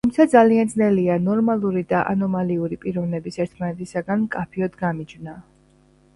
თუმცა, ძალიან ძნელია ნორმალური და ანომალიური პიროვნების ერთმანეთისგან მკაფიოდ გამიჯვნა.